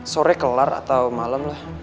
sore kelar atau malam lah